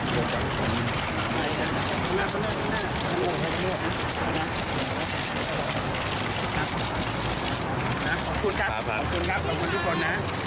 ปราวัตเซวฝ่าทะลุน